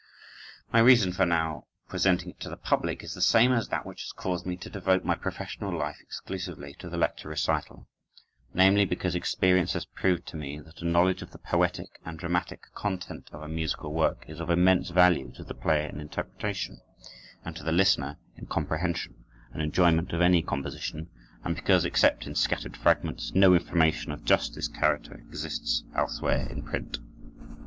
My reason for now presenting it to the public is the same as that which has caused me to devote my professional life exclusively to the Lecture Recital—namely, because experience has proved to me that a knowledge of the poetic and dramatic content of a musical work is of immense value to the player in interpretation, and to the listener in comprehension and enjoyment of any composition, and because, except in scattered fragments, no information of just this character exists elsewhere in print.